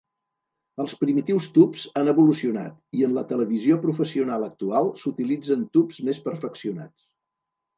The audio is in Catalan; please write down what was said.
Els primitius tubs han evolucionat i, en la televisió professional actual, s'utilitzen tubs més perfeccionats.